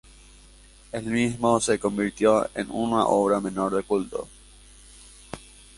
El mismo se convirtió en una obra menor de culto.